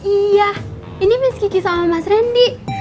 iya ini miski kisah sama mas randy